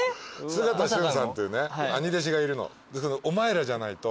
菅田俊さんっていうね兄弟子がいるの。